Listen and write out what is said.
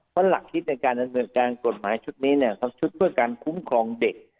เพราะหลักคิดในการดำเนินการกฎหมายชุดนี้เนี่ยทำชุดเพื่อการคุ้มครองเด็ก